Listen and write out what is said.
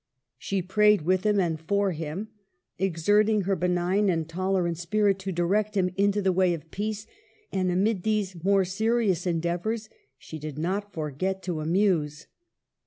She prayed with him and for him, ex erting her benign and tolerant spirit to direct him into the way of peace ; and amid these more serious endeavors she did not forget to amuse.